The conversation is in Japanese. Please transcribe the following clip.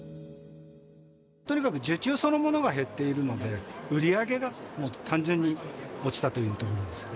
とにかく受注そのものが減っているので、売り上げがもう単純に落ちたというところですね。